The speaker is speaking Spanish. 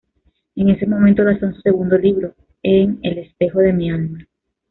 En ese momento lanzó su segundo libro, ""En el espejo de mi alma"".